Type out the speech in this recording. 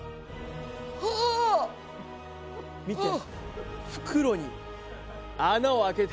見て。